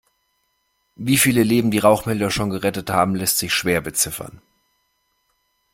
Wie viele Leben die Rauchmelder schon gerettet haben, lässt sich schwer beziffern.